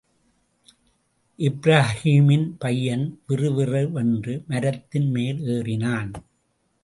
இப்ரஹீமின் பையன் விறுவிறுவென்று மரத்தின் மேல் ஏறினான்.